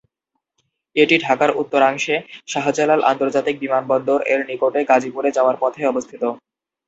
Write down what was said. এটি ঢাকার উত্তরাংশে শাহজালাল আন্তর্জাতিক বিমানবন্দর এর নিকটে গাজীপুরে যাওয়ার পথে অবস্থিত।